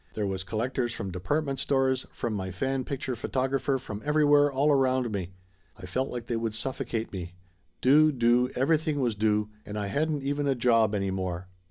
There was col lectors from department stores, from my fan picture photographer, from everywhere, all around me. I felt like they would suffocoate me. Due, due everything was due and I hadn't even a job any more!